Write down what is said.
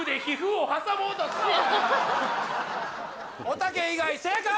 おたけ以外正解！